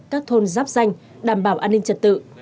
các thôn giáp danh đảm bảo an ninh trật tự